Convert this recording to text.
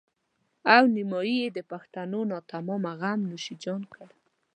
او نيمایي د پښتنو ناتمامه غم نوش جان کړه.